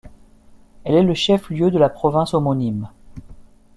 Elle est le chef-lieu de la province homonyme.